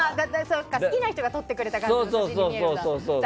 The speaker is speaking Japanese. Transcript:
好きな人が撮ってくれた感じに見えるんだ。